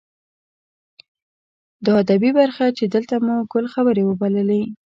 دا ادبي برخه چې دلته مو ګل خبرې وبللې.